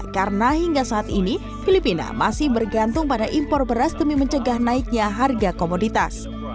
karena hingga saat ini filipina masih bergantung pada impor beras demi mencegah naiknya harga komoditas